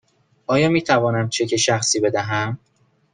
آیا می توانم چک شخصی بدهم؟